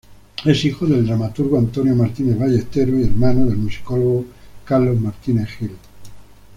Es hijo del dramaturgo Antonio Martínez Ballesteros y hermano del musicólogo Carlos Martínez Gil.